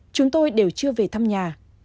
chúng tôi đều chưa về thăm nhà